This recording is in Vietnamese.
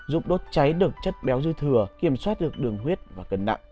giúp đốt cháy được chất béo dư thừa kiểm soát được đường huyết và cân nặng